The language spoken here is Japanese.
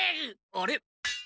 あれ？